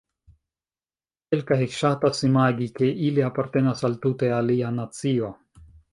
Kelkaj ŝatas imagi, ke ili apartenas al tute alia nacio.